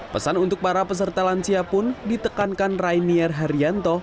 pesan untuk para peserta lansia pun ditekankan rainier haryanto